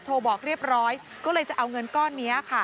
โทรบอกเรียบร้อยก็เลยจะเอาเงินก้อนนี้ค่ะ